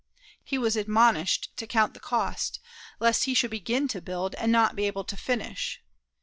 He was admonished to count the cost, lest he should begin to build and not be able to finish.